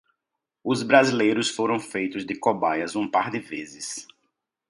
Os brasileiros foram feitos de cobaias um par de vezes